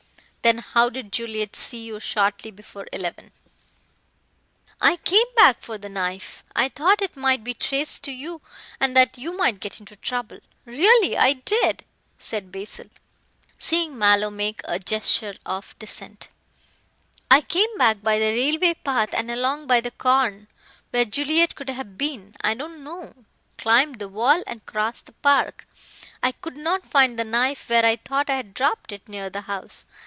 "Then how did Juliet see you shortly before eleven?" "I came back for the knife. I thought it might be traced to you and that you might get into trouble. Really I did," said Basil, seeing Mallow make a gesture of dissent. "I came back by the railway path, and along by the corn. Where Juliet could have been, I don't know. I climbed the wall and crossed the park. I could not find the knife where I thought I had dropped it, near the house.